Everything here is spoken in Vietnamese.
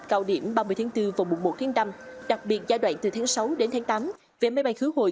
cao điểm ba mươi tháng bốn và mùa một tháng năm đặc biệt giai đoạn từ tháng sáu đến tháng tám vé máy bay khứ hồi